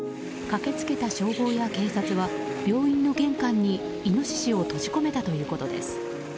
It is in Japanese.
駆け付けた消防や警察は病院の玄関にイノシシを閉じ込めたということです。